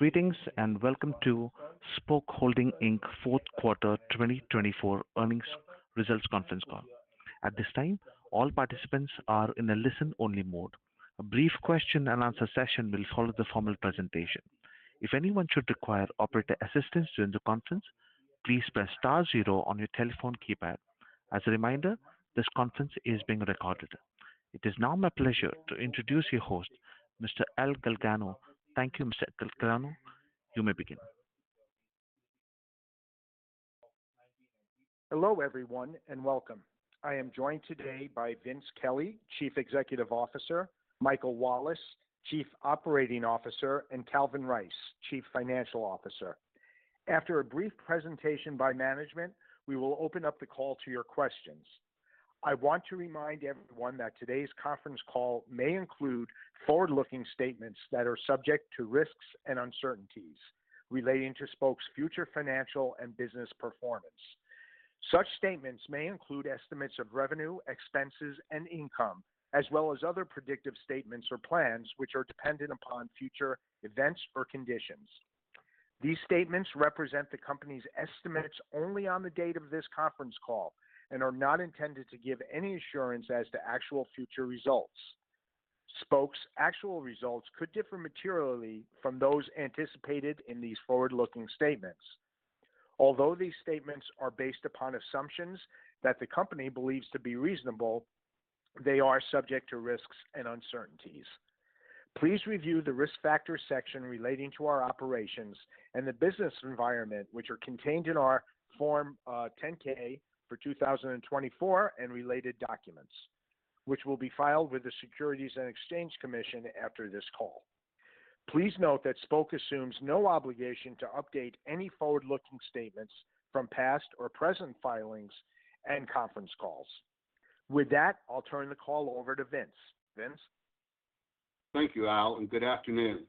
Greetings and welcome to Spok Holdings, Inc. Fourth Quarter 2024 Earnings Results Conference Call. At this time, all participants are in a listen-only mode. A brief question-and-answer session will follow the formal presentation. If anyone should require operator assistance during the conference, please press star zero on your telephone keypad. As a reminder, this conference is being recorded. It is now my pleasure to introduce your host, Mr. Al Galgano. Thank you, Mr. Galgano. You may begin. Hello everyone and welcome. I am joined today by Vince Kelly, Chief Executive Officer, Michael Wallace, Chief Operating Officer, and Calvin Rice, Chief Financial Officer. After a brief presentation by management, we will open up the call to your questions. I want to remind everyone that today's conference call may include forward-looking statements that are subject to risks and uncertainties relating to Spok's future financial and business performance. Such statements may include estimates of revenue, expenses, and income, as well as other predictive statements or plans which are dependent upon future events or conditions. These statements represent the company's estimates only on the date of this conference call and are not intended to give any assurance as to actual future results. Spok's actual results could differ materially from those anticipated in these forward-looking statements. Although these statements are based upon assumptions that the company believes to be reasonable, they are subject to risks and uncertainties. Please review the risk factor section relating to our operations and the business environment, which are contained in our Form 10-K for 2024 and related documents, which will be filed with the Securities and Exchange Commission after this call. Please note that Spok assumes no obligation to update any forward-looking statements from past or present filings and conference calls. With that, I'll turn the call over to Vince. Vince. Thank you, Al, and good afternoon.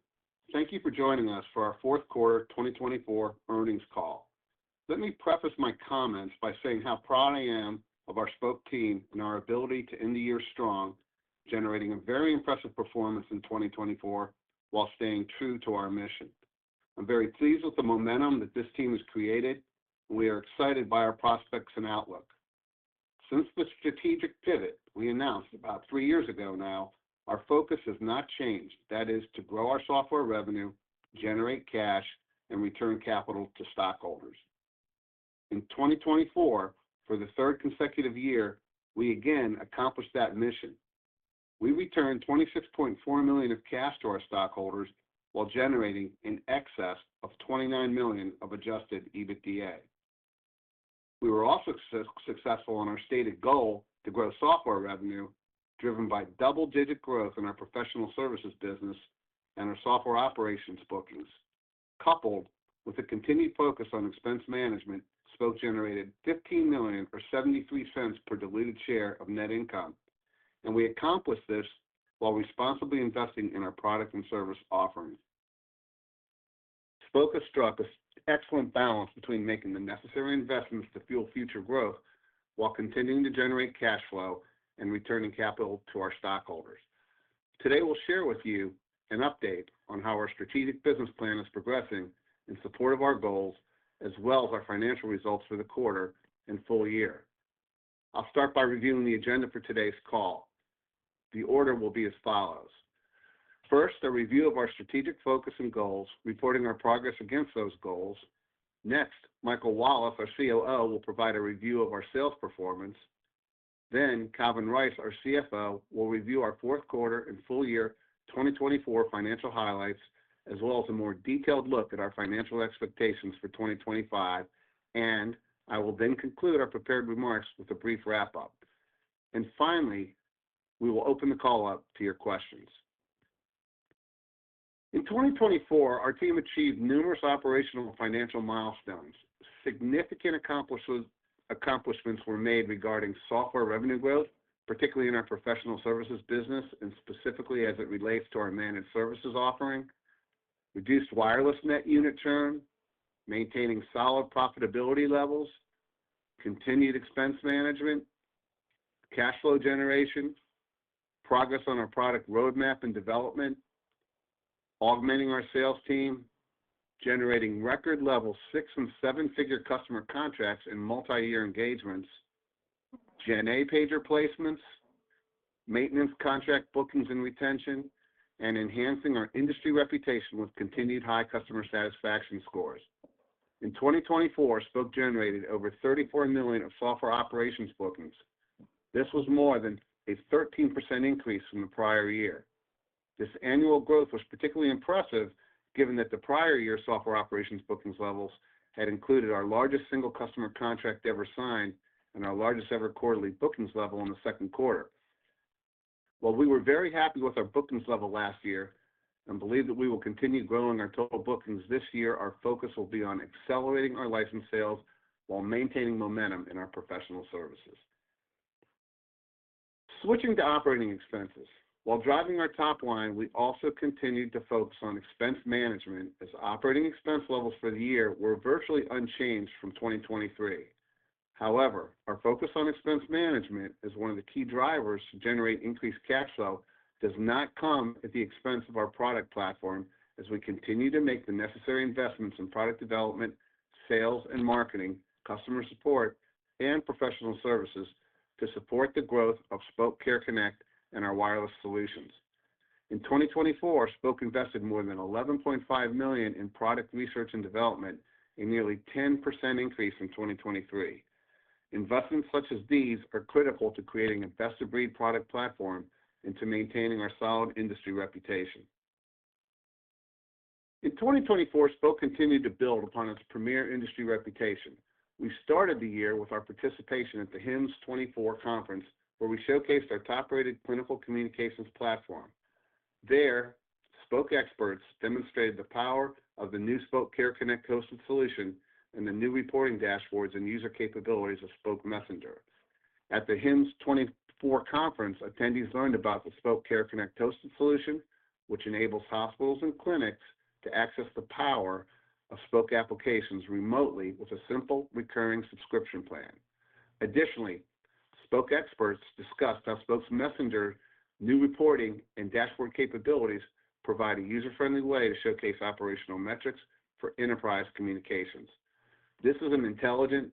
Thank you for joining us for our fourth quarter 2024 earnings call. Let me preface my comments by saying how proud I am of our Spok team and our ability to end the year strong, generating a very impressive performance in 2024 while staying true to our mission. I'm very pleased with the momentum that this team has created, and we are excited by our prospects and outlook. Since the strategic pivot we announced about three years ago now, our focus has not changed. That is, to grow our software revenue, generate cash, and return capital to stockholders. In 2024, for the third consecutive year, we again accomplished that mission. We returned $26.4 million of cash to our stockholders while generating in excess of $29 million of Adjusted EBITDA. We were also successful in our stated goal to grow software revenue, driven by double-digit growth in our professional services business and our software operations bookings. Coupled with a continued focus on expense management, Spok generated $15 million or $0.73 per diluted share of net income, and we accomplished this while responsibly investing in our product and service offerings. Spok has struck an excellent balance between making the necessary investments to fuel future growth while continuing to generate cash flow and returning capital to our stockholders. Today, we'll share with you an update on how our strategic business plan is progressing in support of our goals, as well as our financial results for the quarter and full year. I'll start by reviewing the agenda for today's call. The order will be as follows. First, a review of our strategic focus and goals, reporting our progress against those goals. Next, Michael Wallace, our COO, will provide a review of our sales performance. Then, Calvin Rice, our CFO, will review our fourth quarter and full year 2024 financial highlights, as well as a more detailed look at our financial expectations for 2025. And I will then conclude our prepared remarks with a brief wrap-up. And finally, we will open the call up to your questions. In 2024, our team achieved numerous operational and financial milestones. Significant accomplishments were made regarding software revenue growth, particularly in our professional services business and specifically as it relates to our managed services offering. Reduced wireless net unit churn. Maintaining solid profitability levels. Continued expense management. Cash flow generation. Progress on our product roadmap and development. Augmenting our sales team. Generating record-level six and seven-figure customer contracts and multi-year engagements. GenA pager placements. Maintenance contract bookings and retention. And enhancing our industry reputation with continued high customer satisfaction scores. In 2024, Spok generated over $34 million of software operations bookings. This was more than a 13% increase from the prior year. This annual growth was particularly impressive, given that the prior year software operations bookings levels had included our largest single customer contract ever signed and our largest ever quarterly bookings level in the second quarter. While we were very happy with our bookings level last year and believe that we will continue growing our total bookings this year, our focus will be on accelerating our license sales while maintaining momentum in our professional services. Switching to operating expenses. While driving our top line, we also continued to focus on expense management, as operating expense levels for the year were virtually unchanged from 2023. However, our focus on expense management as one of the key drivers to generate increased cash flow does not come at the expense of our product platform, as we continue to make the necessary investments in product development, sales, and marketing, customer support, and professional services to support the growth of Spok Care Connect and our wireless solutions. In 2024, Spok invested more than $11.5 million in product research and development, a nearly 10% increase from 2023. Investments such as these are critical to creating a best-of-breed product platform and to maintaining our solid industry reputation. In 2024, Spok continued to build upon its premier industry reputation. We started the year with our participation at the HIMSS 2024 Conference, where we showcased our top-rated clinical communications platform. There, Spok experts demonstrated the power of the new Spok Care Connect Hosted solution and the new reporting dashboards and user capabilities of Spok Messenger. At the HIMSS 2024 Conference, attendees learned about the Spok Care Connect hosted solution, which enables hospitals and clinics to access the power of Spok applications remotely with a simple recurring subscription plan. Additionally, Spok experts discussed how Spok Messenger's new reporting and dashboard capabilities provide a user-friendly way to showcase operational metrics for enterprise communications. This is an intelligent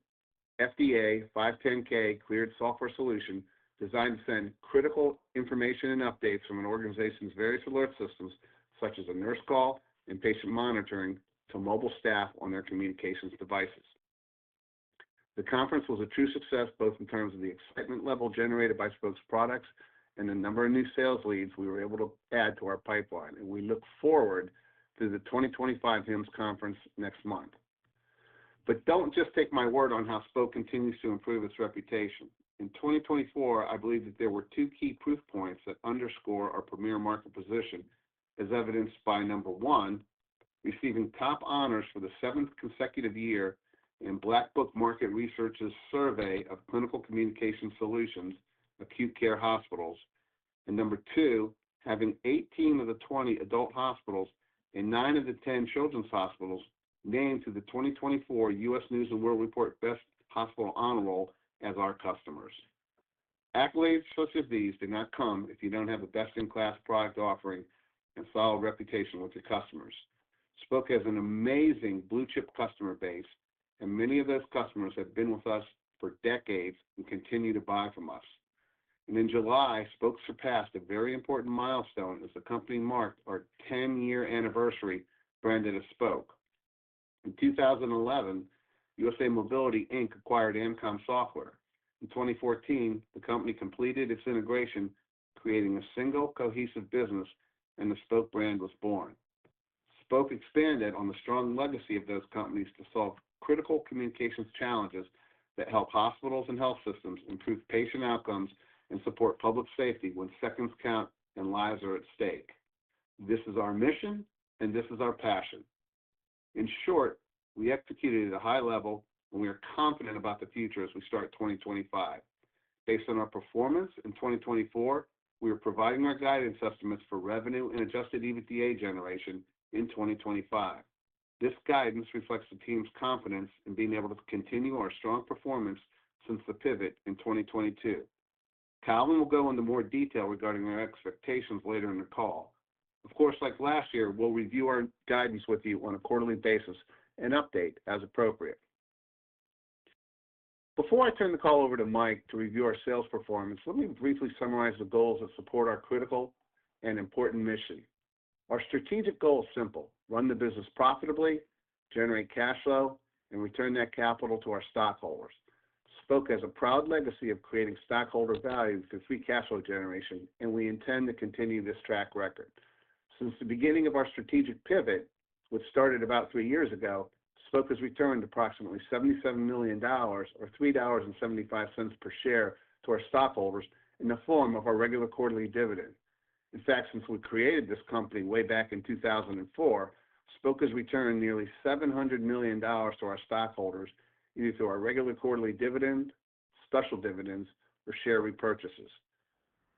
FDA 510(k) cleared software solution designed to send critical information and updates from an organization's various alert systems, such as a nurse call and patient monitoring, to mobile staff on their communications devices. The conference was a true success, both in terms of the excitement level generated by Spok's products and the number of new sales leads we were able to add to our pipeline. And we look forward to the 2025 HIMSS Conference next month. But don't just take my word on how Spok continues to improve its reputation. In 2024, I believe that there were two key proof points that underscore our premier market position, as evidenced by, number one, receiving top honors for the seventh consecutive year in Black Book Market Research's survey of clinical communication solutions acute care hospitals. And number two, having 18 of the 20 adult hospitals and 9 of the 10 children's hospitals named to the 2024 U.S. News & World Report Best Hospitals Honor Roll as our customers. Accolades such as these do not come if you don't have a best-in-class product offering and solid reputation with your customers. Spok has an amazing blue-chip customer base, and many of those customers have been with us for decades and continue to buy from us. And in July, Spok surpassed a very important milestone as the company marked our 10-year anniversary branded as Spok. In 2011, USA Mobility Inc. acquired Amcom Software. In 2014, the company completed its integration, creating a single cohesive business, and the Spok brand was born. Spok expanded on the strong legacy of those companies to solve critical communications challenges that help hospitals and health systems improve patient outcomes and support public safety when seconds count and lives are at stake. This is our mission, and this is our passion. In short, we executed at a high level, and we are confident about the future as we start 2025. Based on our performance in 2024, we are providing our guidance estimates for revenue and adjusted EBITDA generation in 2025. This guidance reflects the team's confidence in being able to continue our strong performance since the pivot in 2022. Calvin will go into more detail regarding our expectations later in the call. Of course, like last year, we'll review our guidance with you on a quarterly basis and update as appropriate. Before I turn the call over to Mike to review our sales performance, let me briefly summarize the goals that support our critical and important mission. Our strategic goal is simple: run the business profitably, generate cash flow, and return that capital to our stockholders. Spok has a proud legacy of creating stockholder value through free cash flow generation, and we intend to continue this track record. Since the beginning of our strategic pivot, which started about three years ago, Spok has returned approximately $77 million, or $3.75 per share, to our stockholders in the form of our regular quarterly dividend. In fact, since we created this company way back in 2004, Spok has returned nearly $700 million to our stockholders, either through our regular quarterly dividend, special dividends, or share repurchases.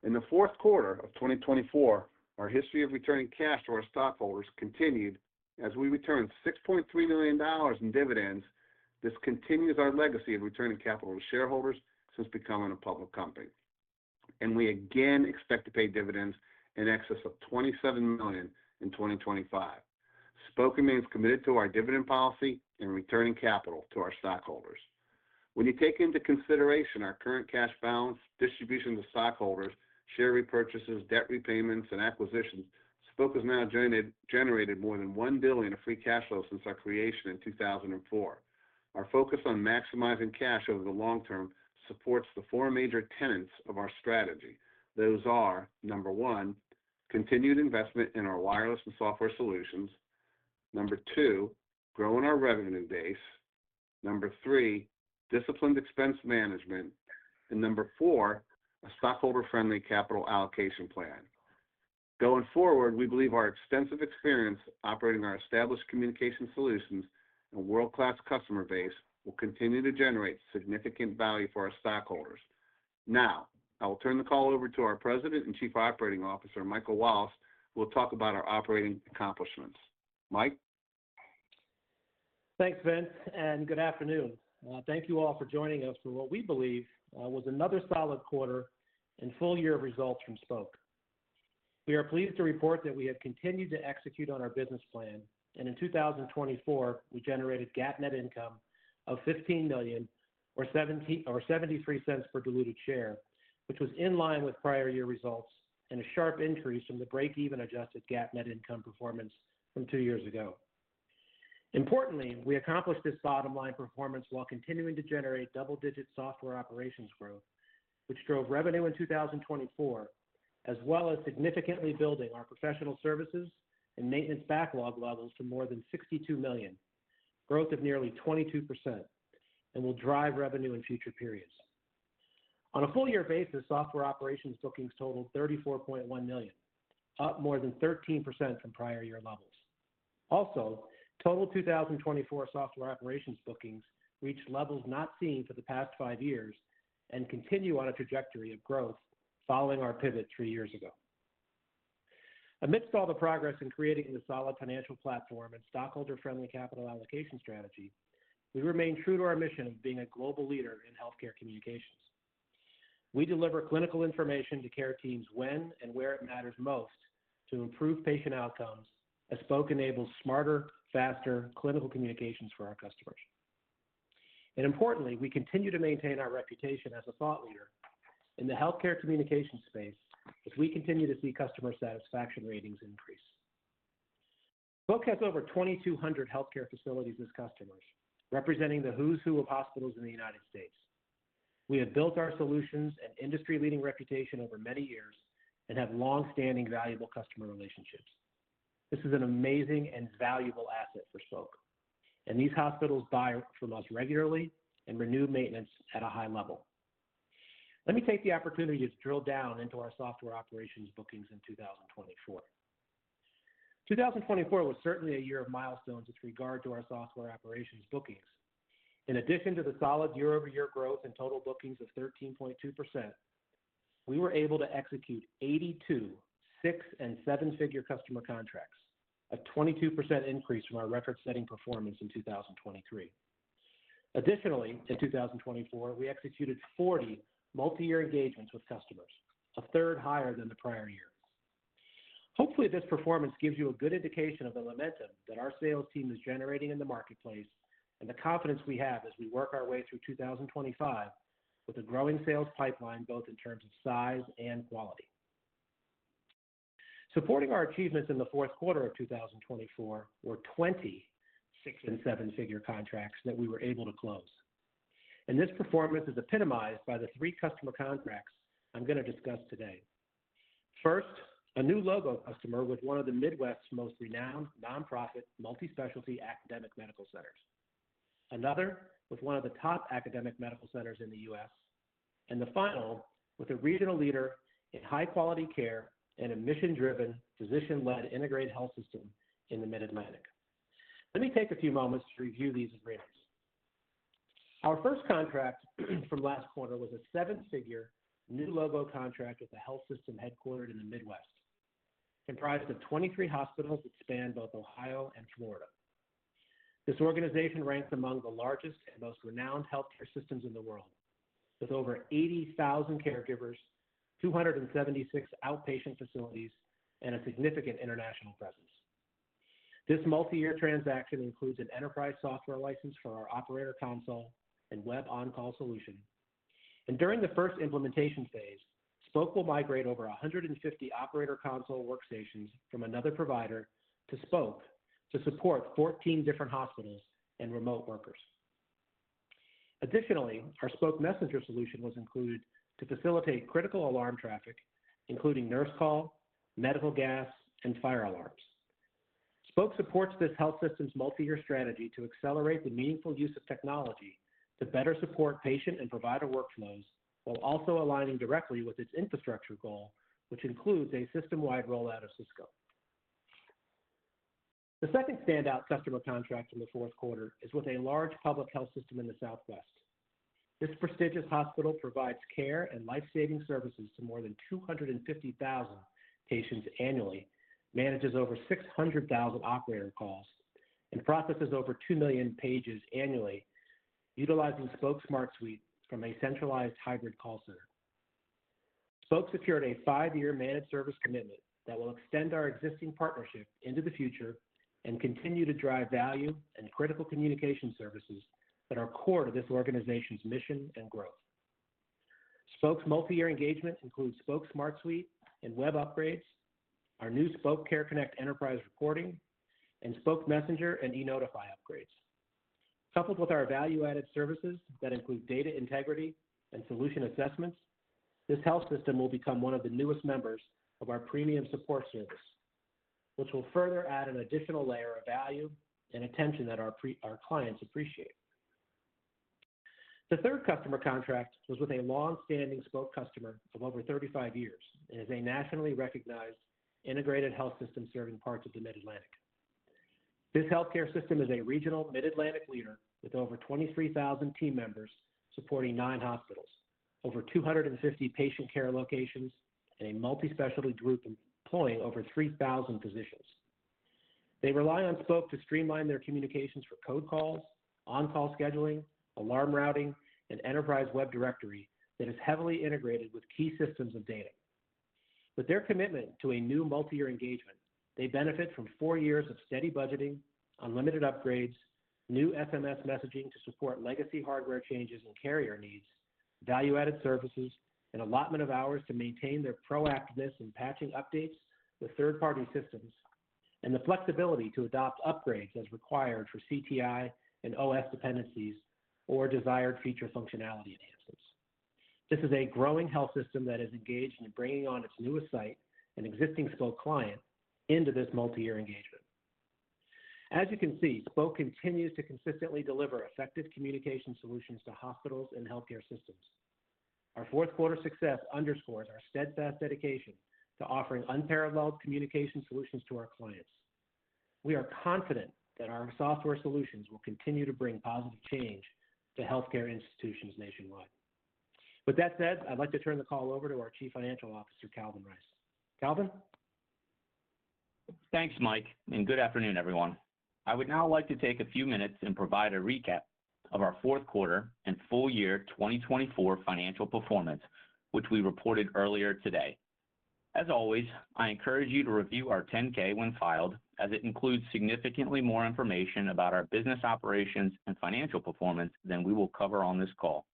In the fourth quarter of 2024, our history of returning cash to our stockholders continued. As we returned $6.3 million in dividends, this continues our legacy of returning capital to shareholders since becoming a public company, and we again expect to pay dividends in excess of $27 million in 2025. Spok remains committed to our dividend policy and returning capital to our stockholders. When you take into consideration our current cash balance, distribution to stockholders, share repurchases, debt repayments, and acquisitions, Spok has now generated more than $1 billion of free cash flow since our creation in 2004. Our focus on maximizing cash over the long term supports the four major tenets of our strategy. Those are number one, continued investment in our wireless and software solutions. Number two, growing our revenue base. Number three, disciplined expense management. And number four, a stockholder-friendly capital allocation plan. Going forward, we believe our extensive experience operating our established communication solutions and world-class customer base will continue to generate significant value for our stockholders. Now, I will turn the call over to our President and Chief Operating Officer, Michael Wallace, who will talk about our operating accomplishments. Mike. Thanks, Vince, and good afternoon. Thank you all for joining us for what we believe was another solid quarter and full year of results from Spok. We are pleased to report that we have continued to execute on our business plan, and in 2024, we generated GAAP net income of $15 million, or $0.73 per diluted share, which was in line with prior year results and a sharp increase from the break-even Adjusted GAAP net income performance from two years ago. Importantly, we accomplished this bottom-line performance while continuing to generate double-digit software operations growth, which drove revenue in 2024, as well as significantly building our professional services and maintenance backlog levels to more than $62 million, growth of nearly 22%, and will drive revenue in future periods. On a full-year basis, software operations bookings totaled $34.1 million, up more than 13% from prior year levels. Also, total 2024 software operations bookings reached levels not seen for the past five years and continue on a trajectory of growth following our pivot three years ago. Amidst all the progress in creating the solid financial platform and stockholder-friendly capital allocation strategy, we remain true to our mission of being a global leader in healthcare communications. We deliver clinical information to care teams when and where it matters most to improve patient outcomes, as Spok enables smarter, faster clinical communications for our customers. And importantly, we continue to maintain our reputation as a thought leader in the healthcare communications space as we continue to see customer satisfaction ratings increase. Spok has over 2,200 healthcare facilities as customers, representing the who's who of hospitals in the United States. We have built our solutions and industry-leading reputation over many years and have long-standing valuable customer relationships. This is an amazing and valuable asset for Spok, and these hospitals buy from us regularly and renew maintenance at a high level. Let me take the opportunity to drill down into our software operations bookings in 2024. 2024 was certainly a year of milestones with regard to our software operations bookings. In addition to the solid year-over-year growth and total bookings of 13.2%, we were able to execute 82 six and seven-figure customer contracts, a 22% increase from our record-setting performance in 2023. Additionally, in 2024, we executed 40 multi-year engagements with customers, a third higher than the prior year. Hopefully, this performance gives you a good indication of the momentum that our sales team is generating in the marketplace and the confidence we have as we work our way through 2025 with a growing sales pipeline, both in terms of size and quality. Supporting our achievements in the fourth quarter of 2024 were 20 six- and seven-figure contracts that we were able to close, and this performance is epitomized by the three customer contracts I'm going to discuss today: first, a new logo customer with one of the Midwest's most renowned nonprofit multi-specialty academic medical centers, another with one of the top academic medical centers in the U.S., and the final with a regional leader in high-quality care and a mission-driven, physician-led integrated health system in the Mid-Atlantic. Let me take a few moments to review these agreements. Our first contract from last quarter was a seven-figure new logo contract with a health system headquartered in the Midwest, comprised of 23 hospitals that span both Ohio and Florida. This organization ranks among the largest and most renowned healthcare systems in the world, with over 80,000 caregivers, 276 outpatient facilities, and a significant international presence. This multi-year transaction includes an enterprise software license for our operator console and Web On-Call solution, and during the first implementation phase, Spok will migrate over 150 operator console workstations from another provider to Spok to support 14 different hospitals and remote workers. Additionally, our Spok Messenger solution was included to facilitate critical alarm traffic, including nurse call, medical gas, and fire alarms. Spok supports this health system's multi-year strategy to accelerate the meaningful use of technology to better support patient and provider workflows while also aligning directly with its infrastructure goal, which includes a system-wide rollout of Cisco. The second standout customer contract in the fourth quarter is with a large public health system in the Southwest. This prestigious hospital provides care and lifesaving services to more than 250,000 patients annually, manages over 600,000 operator calls, and processes over 2 million pages annually, utilizing Spok Smart Suite from a centralized hybrid call center. Spok secured a five-year managed service commitment that will extend our existing partnership into the future and continue to drive value and critical communication services that are core to this organization's mission and growth. Spok's multi-year engagement includes Spok Smart Suite and web upgrades, our new Spok Care Connect enterprise reporting, and Spok Messenger and e.Notify upgrades. Coupled with our value-added services that include data integrity and solution assessments, this health system will become one of the newest members of our premium support service, which will further add an additional layer of value and attention that our clients appreciate. The third customer contract was with a long-standing Spok customer of over 35 years and is a nationally recognized integrated health system serving parts of the Mid-Atlantic. This healthcare system is a regional Mid-Atlantic leader with over 23,000 team members supporting nine hospitals, over 250 patient care locations, and a multi-specialty group employing over 3,000 physicians. They rely on Spok to streamline their communications for code calls, on-call scheduling, alarm routing, and enterprise web directory that is heavily integrated with key systems of data. With their commitment to a new multi-year engagement, they benefit from four years of steady budgeting, unlimited upgrades, new SMS messaging to support legacy hardware changes and carrier needs, value-added services, and allotment of hours to maintain their proactiveness in patching updates with third-party systems, and the flexibility to adopt upgrades as required for CTI and OS dependencies or desired feature functionality enhancements. This is a growing health system that is engaged in bringing on its newest site and existing Spok client into this multi-year engagement. As you can see, Spok continues to consistently deliver effective communication solutions to hospitals and healthcare systems. Our fourth quarter success underscores our steadfast dedication to offering unparalleled communication solutions to our clients. We are confident that our software solutions will continue to bring positive change to healthcare institutions nationwide. With that said, I'd like to turn the call over to our Chief Financial Officer, Calvin Rice. Calvin. Thanks, Mike, and good afternoon, everyone. I would now like to take a few minutes and provide a recap of our fourth quarter and full-year 2024 financial performance, which we reported earlier today. As always, I encourage you to review our 10-K when filed, as it includes significantly more information about our business operations and financial performance than we will cover on this call.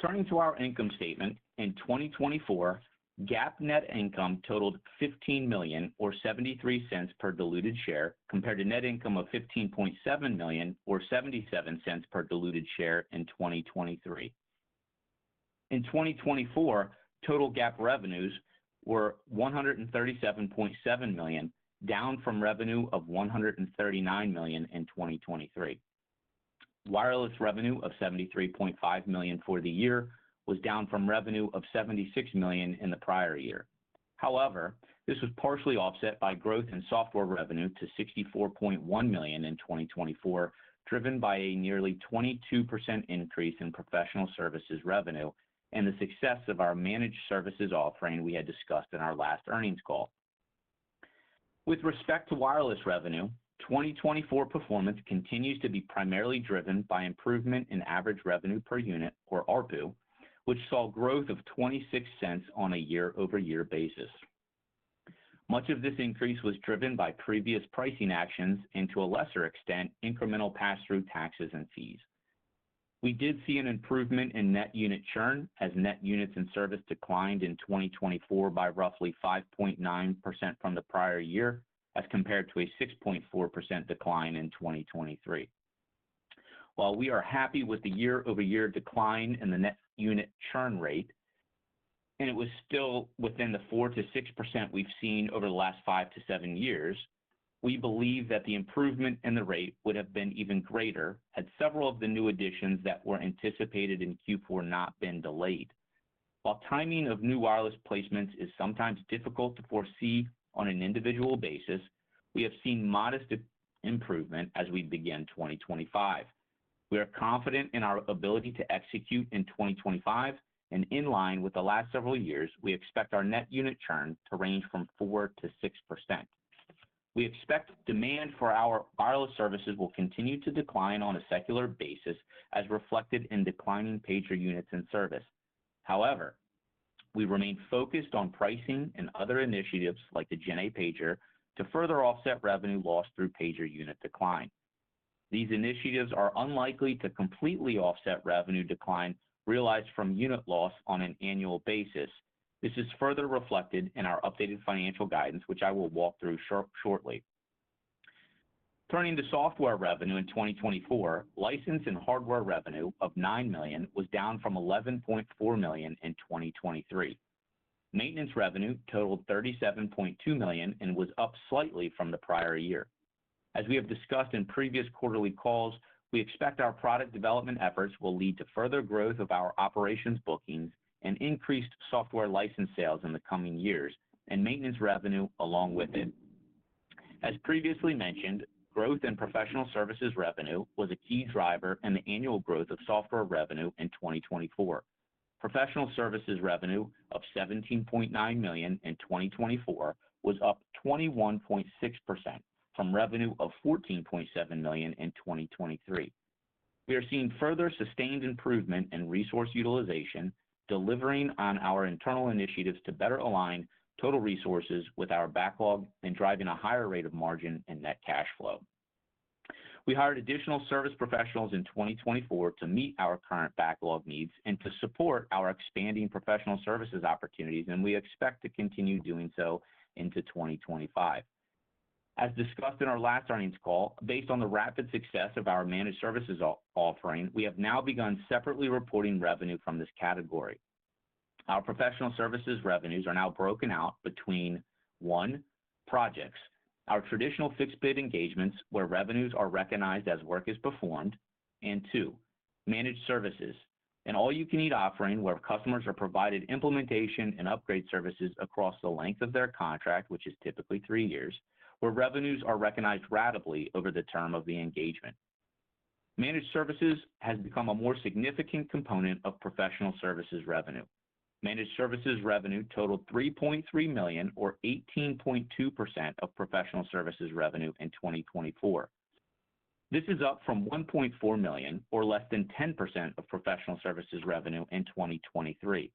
Turning to our income statement, in 2024, GAAP net income totaled $15 million, or $0.73 per diluted share, compared to net income of $15.7 million, or $0.77 per diluted share in 2023. In 2024, total GAAP revenues were $137.7 million, down from revenue of $139 million in 2023. Wireless revenue of $73.5 million for the year was down from revenue of $76 million in the prior year. However, this was partially offset by growth in software revenue to $64.1 million in 2024, driven by a nearly 22% increase in professional services revenue and the success of our managed services offering we had discussed in our last earnings call. With respect to wireless revenue, 2024 performance continues to be primarily driven by improvement in average revenue per unit, or ARPU, which saw growth of $0.26 on a year-over-year basis. Much of this increase was driven by previous pricing actions and, to a lesser extent, incremental pass-through taxes and fees. We did see an improvement in net unit churn as net units in service declined in 2024 by roughly 5.9% from the prior year, as compared to a 6.4% decline in 2023. While we are happy with the year-over-year decline in the net unit churn rate, and it was still within the 4%-6% we've seen over the last five to seven years, we believe that the improvement in the rate would have been even greater had several of the new additions that were anticipated in Q4 not been delayed. While timing of new wireless placements is sometimes difficult to foresee on an individual basis, we have seen modest improvement as we begin 2025. We are confident in our ability to execute in 2025, and in line with the last several years, we expect our net unit churn to range from 4%-6%. We expect demand for our wireless services will continue to decline on a secular basis, as reflected in declining pager units in service. However, we remain focused on pricing and other initiatives like the GenA pager to further offset revenue lost through pager unit decline. These initiatives are unlikely to completely offset revenue decline realized from unit loss on an annual basis. This is further reflected in our updated financial guidance, which I will walk through shortly. Turning to software revenue in 2024, license and hardware revenue of $9 million was down from $11.4 million in 2023. Maintenance revenue totaled $37.2 million and was up slightly from the prior year. As we have discussed in previous quarterly calls, we expect our product development efforts will lead to further growth of our operations bookings and increased software license sales in the coming years, and maintenance revenue along with it. As previously mentioned, growth in professional services revenue was a key driver in the annual growth of software revenue in 2024. Professional services revenue of $17.9 million in 2024 was up 21.6% from revenue of $14.7 million in 2023. We are seeing further sustained improvement in resource utilization, delivering on our internal initiatives to better align total resources with our backlog and driving a higher rate of margin and net cash flow. We hired additional service professionals in 2024 to meet our current backlog needs and to support our expanding professional services opportunities, and we expect to continue doing so into 2025. As discussed in our last earnings call, based on the rapid success of our managed services offering, we have now begun separately reporting revenue from this category. Our professional services revenues are now broken out between: one, projects, our traditional fixed bid engagements where revenues are recognized as work is performed, and two, managed services, an all-you-can-eat offering where customers are provided implementation and upgrade services across the length of their contract, which is typically three years, where revenues are recognized ratably over the term of the engagement. Managed services has become a more significant component of professional services revenue. Managed services revenue totaled $3.3 million, or 18.2% of professional services revenue in 2024. This is up from $1.4 million, or less than 10% of professional services revenue in 2023.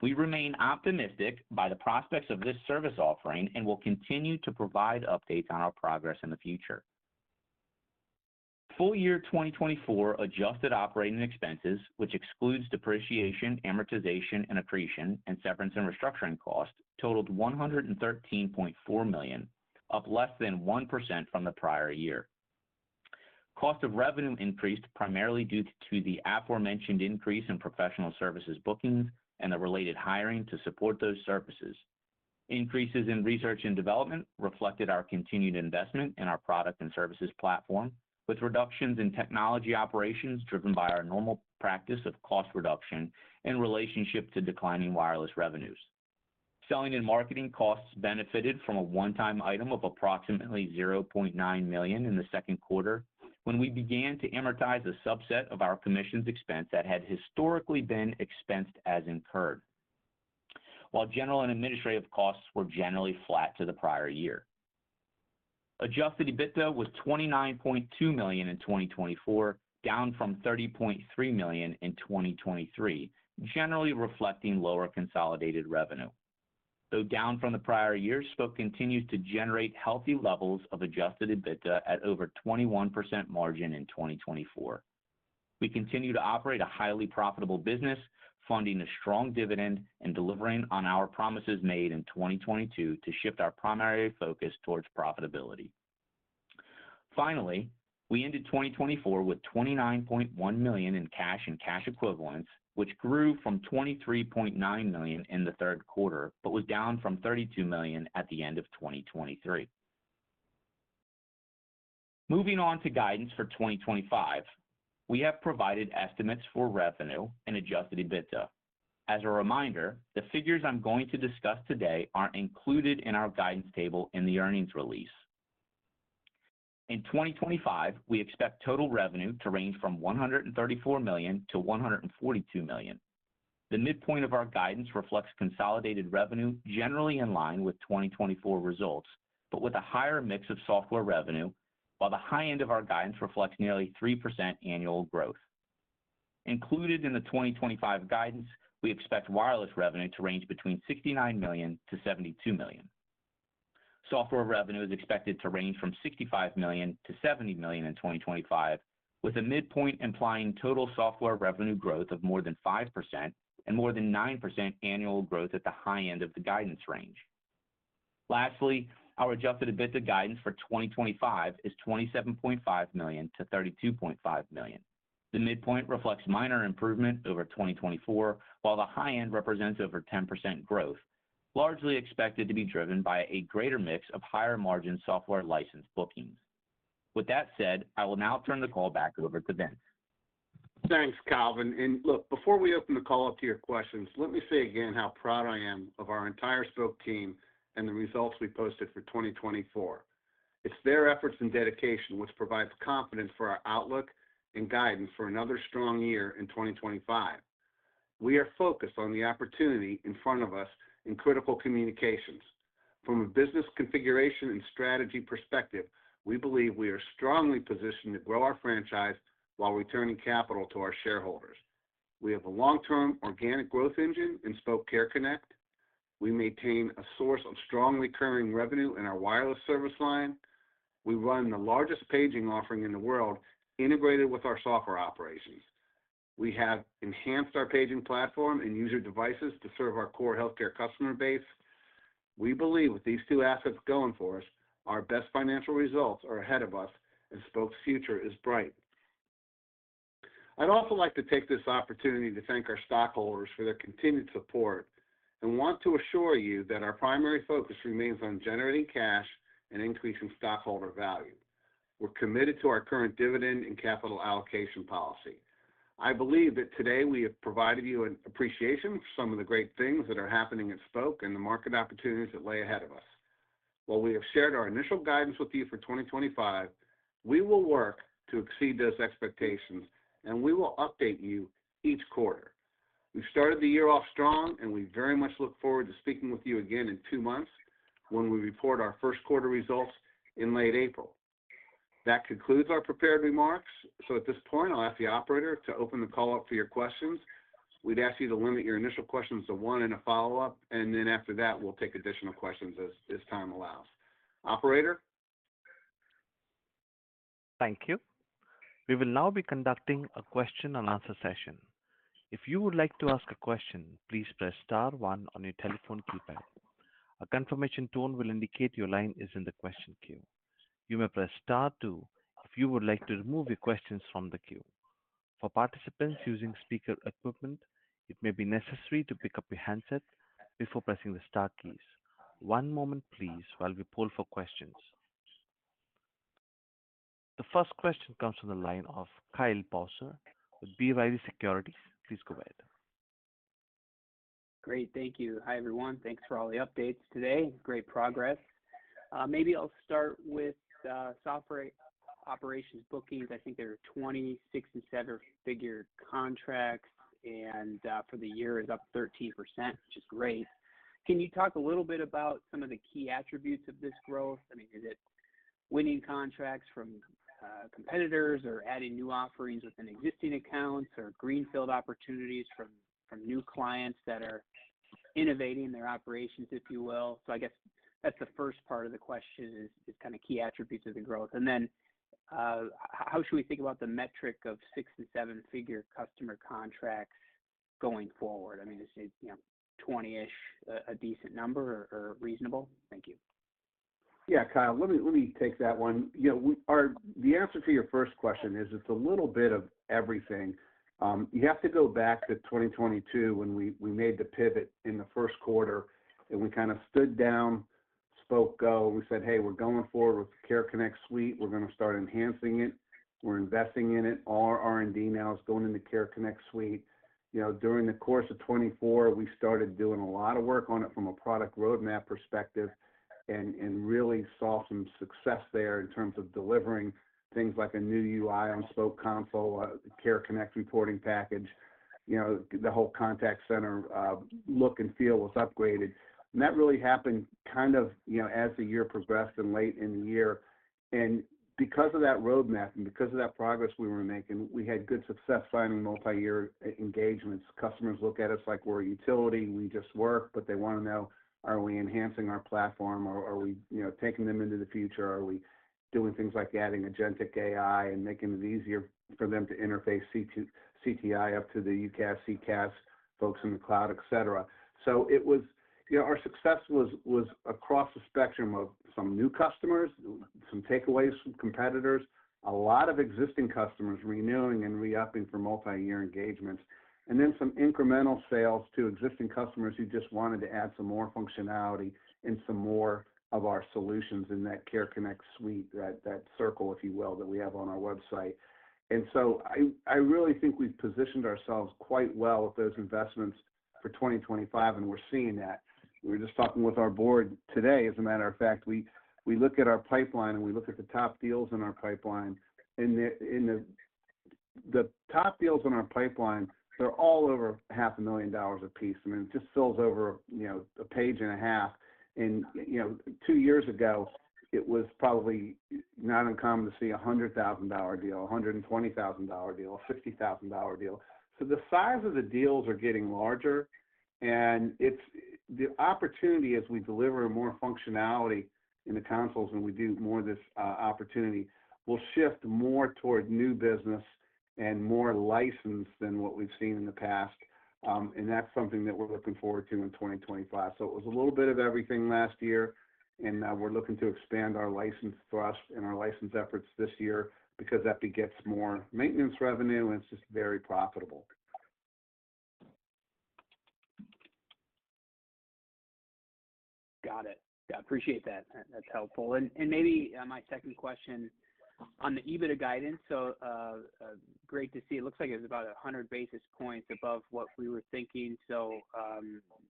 We remain optimistic by the prospects of this service offering and will continue to provide updates on our progress in the future. Full-year 2024 adjusted operating expenses, which excludes depreciation, amortization, and accretion, and severance and restructuring costs, totaled $113.4 million, up less than 1% from the prior year. Cost of revenue increased primarily due to the aforementioned increase in professional services bookings and the related hiring to support those services. Increases in research and development reflected our continued investment in our product and services platform, with reductions in technology operations driven by our normal practice of cost reduction in relationship to declining wireless revenues. Selling and marketing costs benefited from a one-time item of approximately $0.9 million in the second quarter when we began to amortize a subset of our commissions expense that had historically been expensed as incurred, while general and administrative costs were generally flat to the prior year. Adjusted EBITDA was $29.2 million in 2024, down from $30.3 million in 2023, generally reflecting lower consolidated revenue. Though down from the prior year, Spok continues to generate healthy levels of adjusted EBITDA at over 21% margin in 2024. We continue to operate a highly profitable business, funding a strong dividend, and delivering on our promises made in 2022 to shift our primary focus towards profitability. Finally, we ended 2024 with $29.1 million in cash and cash equivalents, which grew from $23.9 million in the third quarter but was down from $32 million at the end of 2023. Moving on to guidance for 2025, we have provided estimates for revenue and Adjusted EBITDA. As a reminder, the figures I'm going to discuss today aren't included in our guidance table in the earnings release. In 2025, we expect total revenue to range from $134 million-$142 million. The midpoint of our guidance reflects consolidated revenue generally in line with 2024 results, but with a higher mix of software revenue, while the high end of our guidance reflects nearly 3% annual growth. Included in the 2025 guidance, we expect wireless revenue to range between $69 million-$72 million. Software revenue is expected to range from $65 million-$70 million in 2025, with a midpoint implying total software revenue growth of more than 5% and more than 9% annual growth at the high end of the guidance range. Lastly, our Adjusted EBITDA guidance for 2025 is $27.5 million-$32.5 million. The midpoint reflects minor improvement over 2024, while the high end represents over 10% growth, largely expected to be driven by a greater mix of higher margin software license bookings. With that said, I will now turn the call back over to Vince. Thanks, Calvin. And look, before we open the call up to your questions, let me say again how proud I am of our entire Spok team and the results we posted for 2024. It's their efforts and dedication which provides confidence for our outlook and guidance for another strong year in 2025. We are focused on the opportunity in front of us in critical communications. From a business configuration and strategy perspective, we believe we are strongly positioned to grow our franchise while returning capital to our shareholders. We have a long-term organic growth engine in Spok Care Connect. We maintain a source of strong recurring revenue in our wireless service line. We run the largest paging offering in the world, integrated with our software operations. We have enhanced our paging platform and user devices to serve our core healthcare customer base. We believe with these two assets going for us, our best financial results are ahead of us, and Spok's future is bright. I'd also like to take this opportunity to thank our stockholders for their continued support and want to assure you that our primary focus remains on generating cash and increasing stockholder value. We're committed to our current dividend and capital allocation policy. I believe that today we have provided you an appreciation for some of the great things that are happening at Spok and the market opportunities that lay ahead of us. While we have shared our initial guidance with you for 2025, we will work to exceed those expectations, and we will update you each quarter. We've started the year off strong, and we very much look forward to speaking with you again in two months when we report our first quarter results in late April. That concludes our prepared remarks. So at this point, I'll ask the operator to open the call up for your questions. We'd ask you to limit your initial questions to one and a follow-up, and then after that, we'll take additional questions as time allows. Operator. Thank you. We will now be conducting a question-and-answer session. If you would like to ask a question, please press star one on your telephone keypad. A confirmation tone will indicate your line is in the question queue. You may press star two if you would like to remove your questions from the queue. For participants using speaker equipment, it may be necessary to pick up your handset before pressing the start keys. One moment, please, while we poll for questions. The first question comes from the line of Kyle Bauser with B. Riley Securities. Please go ahead. Great. Thank you. Hi, everyone. Thanks for all the updates today. Great progress. Maybe I'll start with software operations bookings. I think there are 26 six- and seven-figure contracts, and for the year, it's up 13%, which is great. Can you talk a little bit about some of the key attributes of this growth? I mean, is it winning contracts from competitors or adding new offerings within existing accounts or greenfield opportunities from new clients that are innovating their operations, if you will? So I guess that's the first part of the question is kind of key attributes of the growth. And then how should we think about the metric of six- and seven-figure customer contracts going forward? I mean, is 20-ish a decent number or reasonable? Thank you. Yeah, Kyle, let me take that one. The answer to your first question is it's a little bit of everything. You have to go back to 2022 when we made the pivot in the first quarter, and we kind of stood down, Spok Go, and we said, "Hey, we're going forward with Care Connect Suite. We're going to start enhancing it. We're investing in it. All our R&D now is going into Care Connect Suite." During the course of 2024, we started doing a lot of work on it from a product roadmap perspective and really saw some success there in terms of delivering things like a new UI on Spok Console, a Care Connect reporting package. The whole contact center look and feel was upgraded, and that really happened kind of as the year progressed and late in the year. Because of that roadmap and because of that progress we were making, we had good success signing multi-year engagements. Customers look at us like we're a utility. We just work, but they want to know, are we enhancing our platform? Are we taking them into the future? Are we doing things like adding Agentic AI and making it easier for them to interface CTI up to the UCaaS, CCaaS folks in the cloud, etc.? So our success was across the spectrum of some new customers, some takeaways from competitors, a lot of existing customers renewing and re-upping for multi-year engagements, and then some incremental sales to existing customers who just wanted to add some more functionality and some more of our solutions in that Care Connect Suite, that circle, if you will, that we have on our website. So I really think we've positioned ourselves quite well with those investments for 2025, and we're seeing that. We were just talking with our board today. As a matter of fact, we look at our pipeline and we look at the top deals in our pipeline. The top deals in our pipeline, they're all over $500,000 a piece. I mean, it just fills over a page and a half. Two years ago, it was probably not uncommon to see a $100,000 deal, a $120,000 deal, a $50,000 deal. The size of the deals are getting larger, and the opportunity, as we deliver more functionality in the consoles and we do more of this opportunity, will shift more toward new business and more license than what we've seen in the past. That's something that we're looking forward to in 2025. So it was a little bit of everything last year, and we're looking to expand our license thrust and our license efforts this year because that begets more maintenance revenue, and it's just very profitable. Got it. I appreciate that. That's helpful. And maybe my second question on the EBITDA guidance. So great to see. It looks like it was about 100 basis points above what we were thinking. So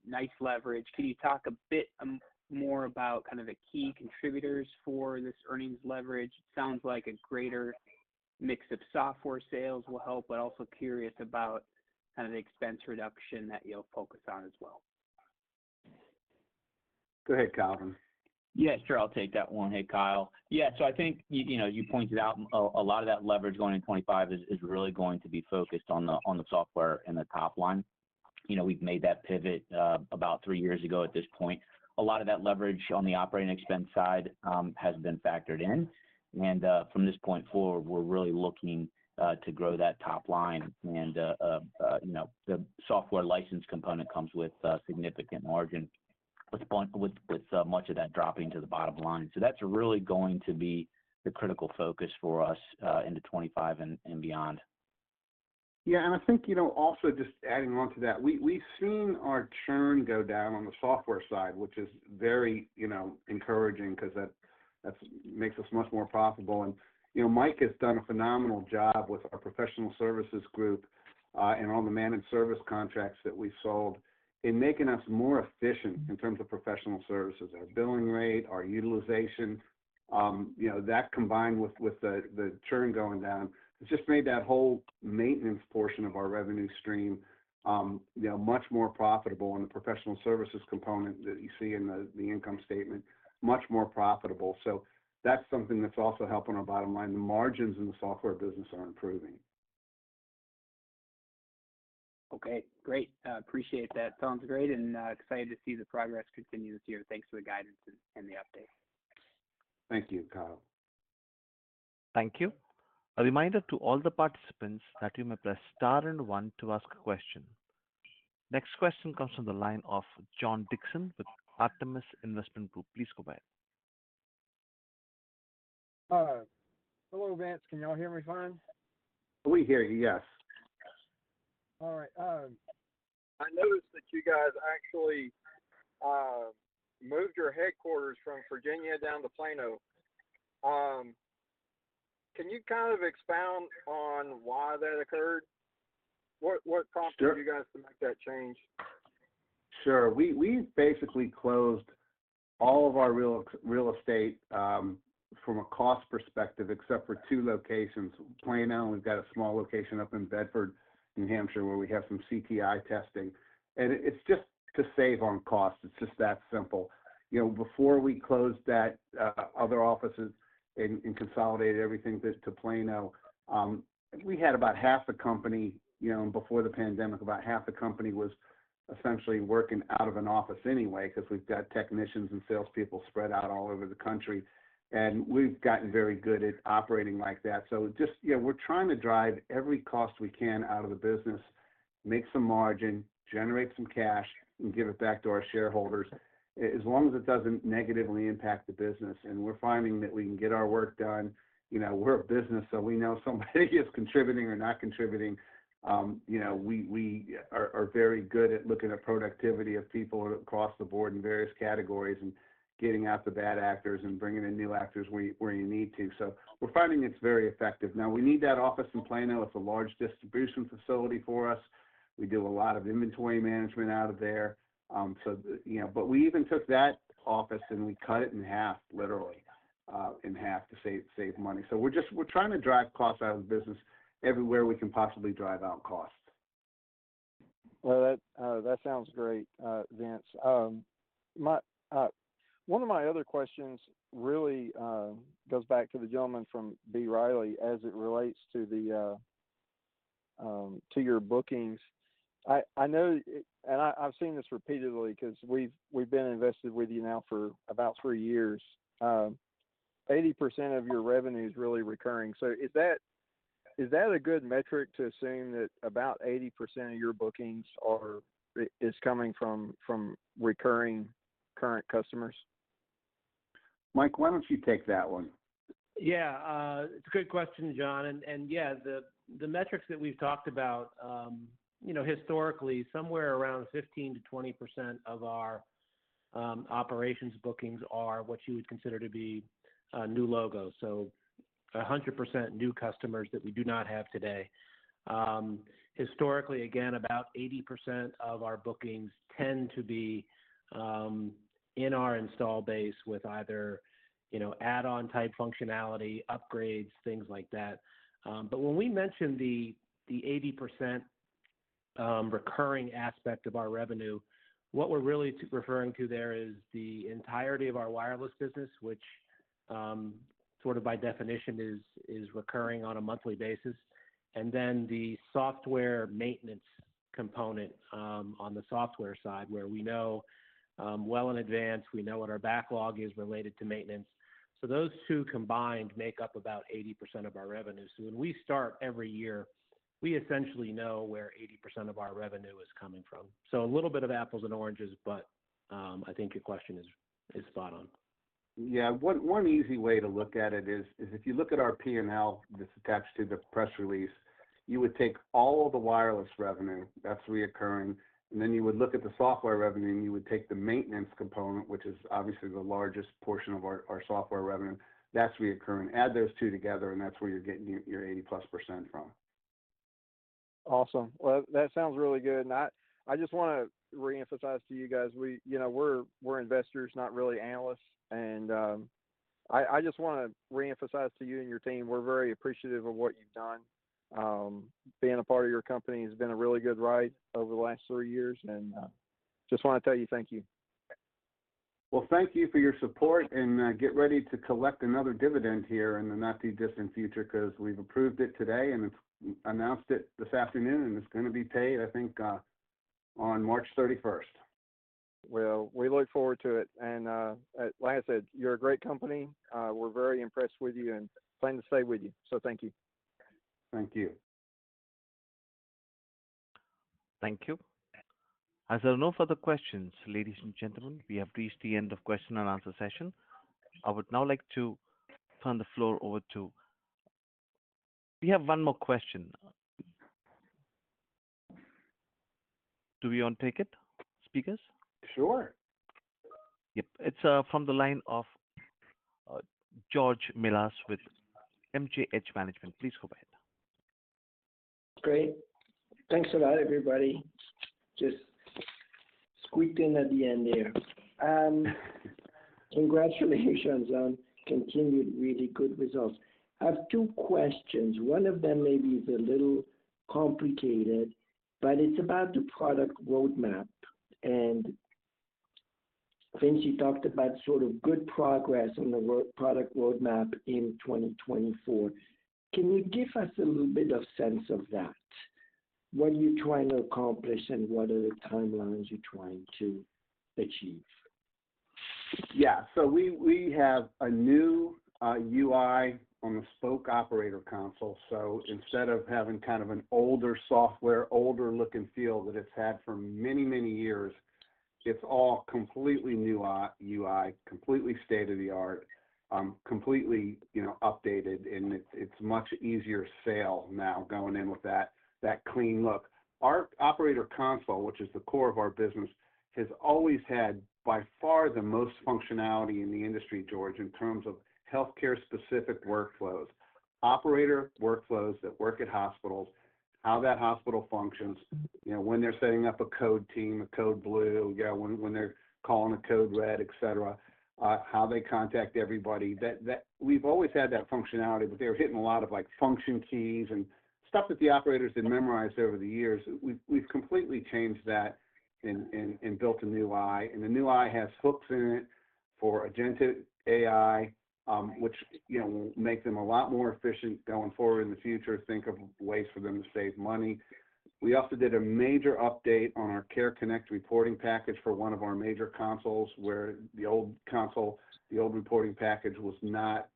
nice leverage. Can you talk a bit more about kind of the key contributors for this earnings leverage? It sounds like a greater mix of software sales will help, but also curious about kind of the expense reduction that you'll focus on as well. Go ahead, Calvin. Yes, sure. I'll take that one. Hey, Kyle. Yeah. So I think you pointed out a lot of that leverage going into 2025 is really going to be focused on the software and the top line. We've made that pivot about three years ago at this point. A lot of that leverage on the operating expense side has been factored in, and from this point forward, we're really looking to grow that top line, and the software license component comes with significant margin, with much of that dropping to the bottom line, so that's really going to be the critical focus for us into 2025 and beyond. Yeah. And I think also just adding on to that, we've seen our churn go down on the software side, which is very encouraging because that makes us much more profitable. And Mike has done a phenomenal job with our professional services group and all the managed service contracts that we sold in making us more efficient in terms of professional services. Our billing rate, our utilization, that combined with the churn going down, it's just made that whole maintenance portion of our revenue stream much more profitable. And the professional services component that you see in the income statement, much more profitable. So that's something that's also helping our bottom line. The margins in the software business are improving. Okay. Great. Appreciate that. Sounds great, and excited to see the progress continue this year. Thanks for the guidance and the update. Thank you, Kyle. Thank you. A reminder to all the participants that you may press star and one to ask a question. Next question comes from the line of John Dixon with Artemis Investment Group. Please go ahead. Hello, Vince. Can y'all hear me fine? We hear you, yes. All right. I noticed that you guys actually moved your headquarters from Virginia down to Plano. Can you kind of expound on why that occurred? What prompted you guys to make that change? Sure. We basically closed all of our real estate from a cost perspective except for two locations, Plano. We've got a small location up in Bedford, New Hampshire, where we have some CTI testing, and it's just to save on cost. It's just that simple. Before we closed that other office and consolidated everything to Plano, we had about half the company before the pandemic, about half the company was essentially working out of an office anyway because we've got technicians and salespeople spread out all over the country, and we've gotten very good at operating like that, so we're trying to drive every cost we can out of the business, make some margin, generate some cash, and give it back to our shareholders as long as it doesn't negatively impact the business, and we're finding that we can get our work done. We're a business, so we know somebody is contributing or not contributing. We are very good at looking at productivity of people across the board in various categories and getting out the bad actors and bringing in new actors where you need to. So we're finding it's very effective. Now, we need that office in Plano. It's a large distribution facility for us. We do a lot of inventory management out of there. But we even took that office and we cut it in half, literally in half to save money. So we're trying to drive costs out of the business everywhere we can possibly drive out costs. That sounds great, Vince. One of my other questions really goes back to the gentleman from B. Riley as it relates to your bookings. I know, and I've seen this repeatedly because we've been invested with you now for about three years. 80% of your revenue is really recurring. So is that a good metric to assume that about 80% of your bookings is coming from recurring current customers? Mike, why don't you take that one? Yeah. It's a good question, John. And yeah, the metrics that we've talked about, historically, somewhere around 15%-20% of our operations bookings are what you would consider to be new logos. So 100% new customers that we do not have today. Historically, again, about 80% of our bookings tend to be in our install base with either add-on type functionality, upgrades, things like that. But when we mention the 80% recurring aspect of our revenue, what we're really referring to there is the entirety of our wireless business, which sort of by definition is recurring on a monthly basis. And then the software maintenance component on the software side where we know well in advance, we know what our backlog is related to maintenance. So those two combined make up about 80% of our revenue. So when we start every year, we essentially know where 80% of our revenue is coming from. So a little bit of apples and oranges, but I think your question is spot on. Yeah. One easy way to look at it is if you look at our P&L that's attached to the press release, you would take all of the wireless revenue that's recurring, and then you would look at the software revenue, and you would take the maintenance component, which is obviously the largest portion of our software revenue. That's recurring. Add those two together, and that's where you're getting your 80+% from. Awesome. That sounds really good. I just want to reemphasize to you guys, we're investors, not really analysts. I just want to reemphasize to you and your team, we're very appreciative of what you've done. Being a part of your company has been a really good ride over the last three years. Just want to tell you thank you. Thank you for your support, and get ready to collect another dividend here in the not too distant future because we've approved it today and announced it this afternoon, and it's going to be paid, I think, on March 31st. We look forward to it. Like I said, you're a great company. We're very impressed with you and plan to stay with you. Thank you. Thank you. Thank you. As there are no further questions, ladies and gentlemen, we have reached the end of the question and answer session. I would now like to turn the floor over to—we have one more question. Do we want to take it, speakers? Sure. Yep. It's from the line of George Melas with MKH Management. Please go ahead. Great. Thanks a lot, everybody. Just squeaked in at the end there. Congratulations on continued really good results. I have two questions. One of them may be a little complicated, but it's about the product roadmap, and Vince talked about sort of good progress on the product roadmap in 2024. Can you give us a little bit of sense of that? What are you trying to accomplish, and what are the timelines you're trying to achieve? Yeah. So we have a new UI on the Spok operator console. So instead of having kind of an older software, older look and feel that it's had for many, many years, it's all completely new UI, completely state of the art, completely updated, and it's much easier sale now going in with that clean look. Our operator console, which is the core of our business, has always had by far the most functionality in the industry, George, in terms of healthcare-specific workflows, operator workflows that work at hospitals, how that hospital functions, when they're setting up a code team, a code blue, when they're calling a code red, etc., how they contact everybody. We've always had that functionality, but they were hitting a lot of function keys and stuff that the operators had memorized over the years. We've completely changed that and built a new UI. The new UI has hooks in it for Agentic AI, which will make them a lot more efficient going forward in the future. Think of ways for them to save money. We also did a major update on our Care Connect reporting package for one of our major consoles where the old console, the old reporting package was not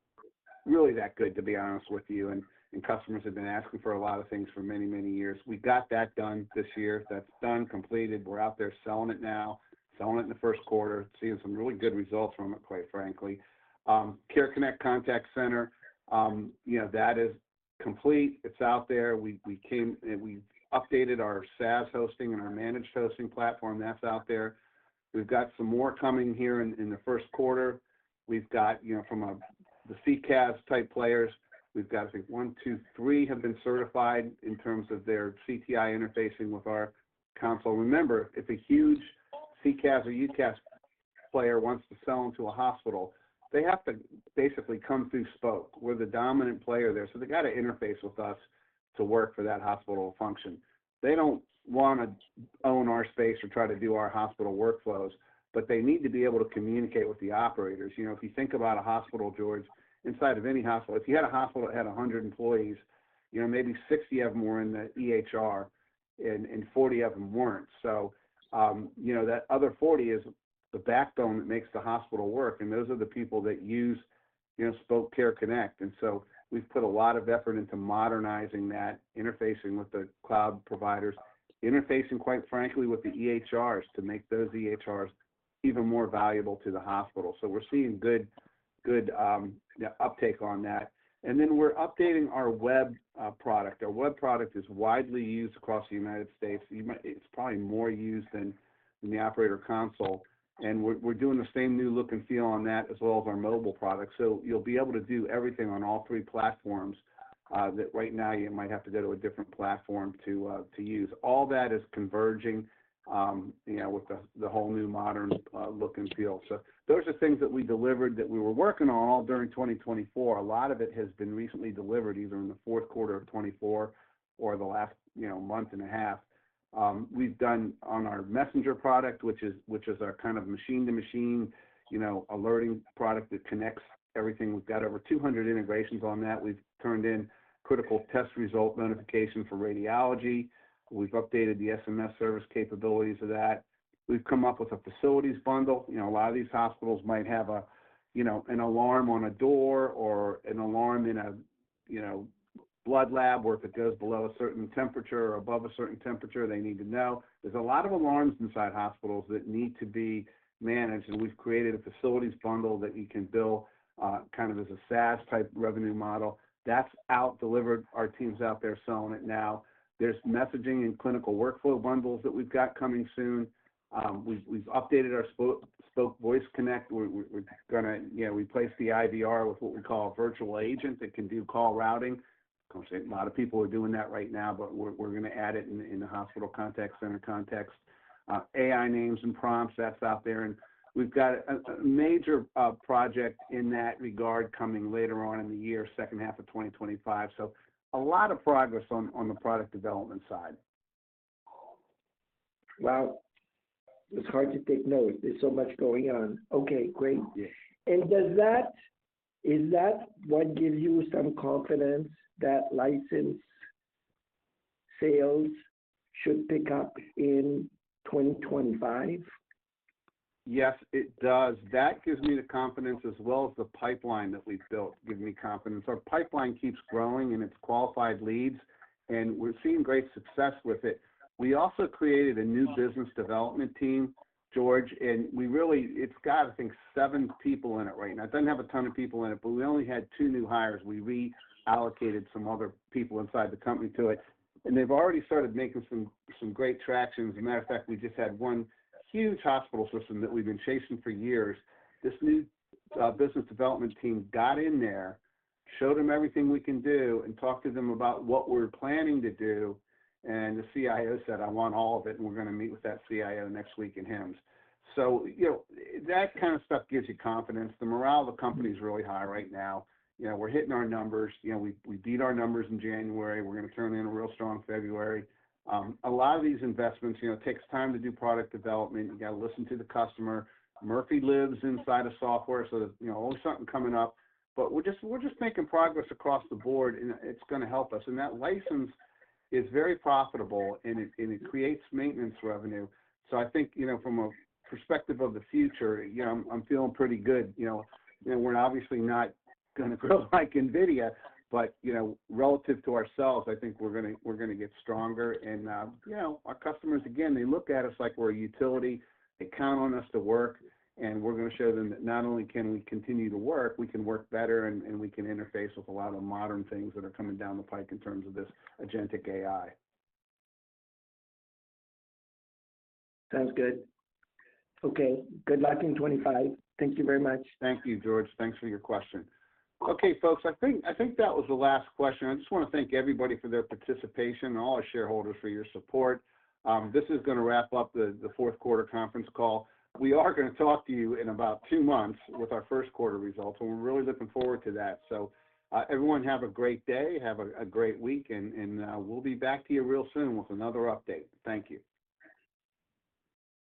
really that good, to be honest with you. Customers have been asking for a lot of things for many, many years. We got that done this year. That's done, completed. We're out there selling it now, selling it in the first quarter, seeing some really good results from it, quite frankly. Care Connect Contact Center, that is complete. It's out there. We updated our SaaS hosting and our managed hosting platform. That's out there. We've got some more coming here in the first quarter. We've got from the CCaaS type players, we've got, I think, one, two, three have been certified in terms of their CTI interfacing with our console. Remember, if a huge CCaaS or UCaaS player wants to sell into a hospital, they have to basically come through Spok. We're the dominant player there. So they got to interface with us to work for that hospital function. They don't want to own our space or try to do our hospital workflows, but they need to be able to communicate with the operators. If you think about a hospital, George, inside of any hospital, if you had a hospital that had 100 employees, maybe 60 of them were in the EHR and 40 of them weren't. So that other 40 is the backbone that makes the hospital work. And those are the people that use Spok Care Connect. And so we've put a lot of effort into modernizing that, interfacing with the cloud providers, interfacing, quite frankly, with the EHRs to make those EHRs even more valuable to the hospital. So we're seeing good uptake on that. And then we're updating our web product. Our web product is widely used across the United States. It's probably more used than the operator console. And we're doing the same new look and feel on that as well as our Spok Mobile. So you'll be able to do everything on all three platforms that right now you might have to go to a different platform to use. All that is converging with the whole new modern look and feel. So those are things that we delivered that we were working on all during 2024. A lot of it has been recently delivered either in the fourth quarter of 2024 or the last month and a half. We've done on our Messenger product, which is our kind of machine-to-machine alerting product that connects everything. We've got over 200 integrations on that. We've turned in critical test result notification for radiology. We've updated the SMS service capabilities of that. We've come up with a facilities bundle. A lot of these hospitals might have an alarm on a door or an alarm in a blood lab where if it goes below a certain temperature or above a certain temperature, they need to know. There's a lot of alarms inside hospitals that need to be managed. And we've created a facilities bundle that you can build kind of as a SaaS type revenue model. That's out delivered. Our team's out there selling it now. There's messaging and clinical workflow bundles that we've got coming soon. We've updated our Spok Voice Connect. We're going to replace the IVR with what we call a virtual agent that can do call routing. A lot of people are doing that right now, but we're going to add it in the hospital contact center context. AI names and prompts, that's out there, and we've got a major project in that regard coming later on in the year, second half of 2025, so a lot of progress on the product development side. Wow. It's hard to take notes. There's so much going on. Okay. Great. And is that what gives you some confidence that license sales should pick up in 2025? Yes, it does. That gives me the confidence as well as the pipeline that we've built gives me confidence. Our pipeline keeps growing, and it's qualified leads. And we're seeing great success with it. We also created a new business development team, George, and it's got, I think, seven people in it right now. It doesn't have a ton of people in it, but we only had two new hires. We reallocated some other people inside the company to it. And they've already started making some great traction. As a matter of fact, we just had one huge hospital system that we've been chasing for years. This new business development team got in there, showed them everything we can do, and talked to them about what we're planning to do. And the CIO said, "I want all of it," and we're going to meet with that CIO next week in HIMSS. So that kind of stuff gives you confidence. The morale of the company is really high right now. We're hitting our numbers. We beat our numbers in January. We're going to turn in a real strong February. A lot of these investments take time to do product development. You got to listen to the customer. Murphy lives inside of software, so there's always something coming up. But we're just making progress across the board, and it's going to help us. And that license is very profitable, and it creates maintenance revenue. So I think from a perspective of the future, I'm feeling pretty good. We're obviously not going to grow like NVIDIA, but relative to ourselves, I think we're going to get stronger. Our customers, again, they look at us like we're a utility. They count on us to work, and we're going to show them that not only can we continue to work, we can work better, and we can interface with a lot of modern things that are coming down the pike in terms of this Agentic AI. Sounds good. Okay. Good luck in 2025. Thank you very much. Thank you, George. Thanks for your question. Okay, folks, I think that was the last question. I just want to thank everybody for their participation and all our shareholders for your support. This is going to wrap up the fourth quarter conference call. We are going to talk to you in about two months with our first quarter results, and we're really looking forward to that. So everyone have a great day, have a great week, and we'll be back to you real soon with another update. Thank you.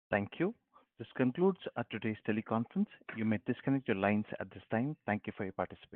Thank you. This concludes today's teleconference. You may disconnect your lines at this time. Thank you for your participation.